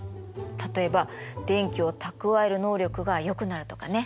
例えば電気を蓄える能力がよくなるとかね。